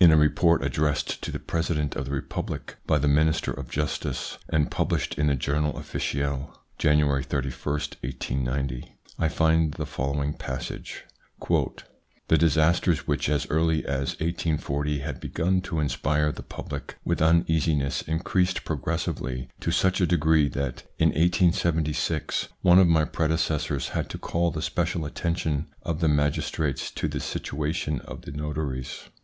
In a report addressed to the President of the Republic by the Minister of Justice and published in the Journal Officiel, January 31, 1890, I find the following passage : "The disasters which as early as 1840 had begun to inspire the public with uneasiness increased progressively to such a degree that in 1876 one of my predecessors had to call the special attention of the magistrates to the situation of the notaries.